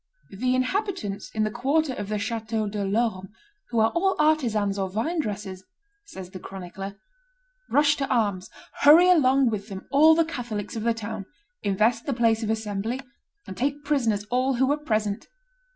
"The inhabitants in the quarter of the Chateau de l'Orme, who are all artisans or vine dressers," says the chronicler, "rush to arms, hurry along with them all the Catholics of the town, invest the place of assembly, and take prisoners all who were present.